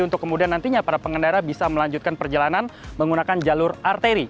untuk kemudian nantinya para pengendara bisa melanjutkan perjalanan menggunakan jalur arteri